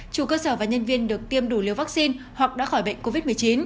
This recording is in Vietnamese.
chủ cơ sở và nhân viên được tiêm đủ liều vaccine hoặc đã khỏi bệnh covid một mươi chín